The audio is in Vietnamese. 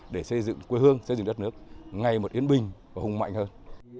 để xây dựng quê hương xây dựng đất nước ngay một yến bình và hung mạnh hơn